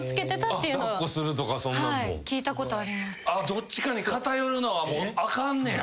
どっちかにかたよるのはもうあかんねや。